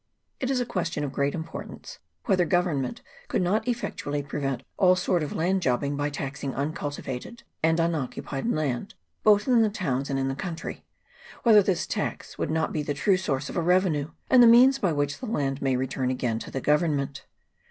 It is a question of great importance, whether Govern ment could not effectually prevent all sort of land jobbing by taxing uncultivated and unoccupied land, both in the towns and in the country ; whether this tax would not be the true source of a revenue, and the means by which the land may return again to the Government.